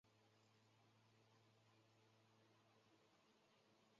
摄津北交流道是位于大阪府摄津市的近畿自动车道之交流道。